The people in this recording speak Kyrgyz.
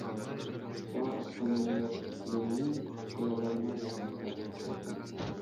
Шаар аткаминерлеринин кыялдарына саякат